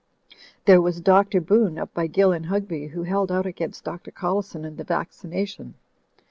There was Dr. Boone, up by Gill in Hugby, who held out against Dr. CoUison and the vaccination.